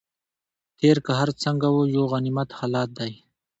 تېر که هر څنګه و یو غنیمت حالت دی.